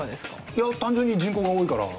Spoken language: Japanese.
いや単純に人口が多いから。